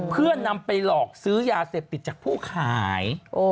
เพื่อนำไปหลอกซื้อยาเสพติดจากผู้ขาย